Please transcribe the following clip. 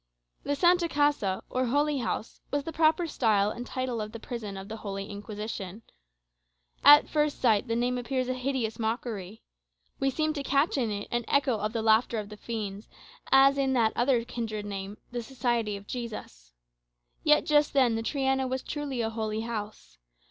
The "Santa Casa," or Holy House, was the proper style and title of the prison of the Holy Inquisition. At first sight the name appears a hideous mockery. We seem to catch in it an echo of the laughter of fiends, as in that other kindred name, "The Society of Jesus." Yet, just then, the Triana was truly a holy house.